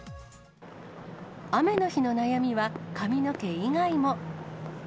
雨の日の悩みは、髪の毛以外も。